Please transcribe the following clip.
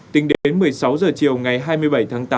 tính đến một mươi sáu h chiều ngày hai mươi bảy tháng tám